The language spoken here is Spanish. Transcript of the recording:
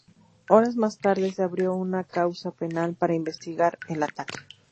Horas más tarde, se abrió una causa penal para investigar el ataque.